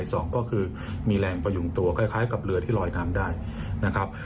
สองก็คือมีแรงพยุงตัวคล้ายกับเรือที่ลอยน้ำได้นะครับ